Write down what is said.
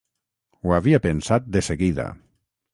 Ho havia pensat de seguida.